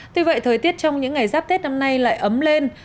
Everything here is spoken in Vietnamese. tuy vậy thời tiết trong những ngày giáp tết năm nay lại ấm lên